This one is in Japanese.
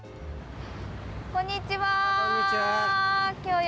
こんにちは。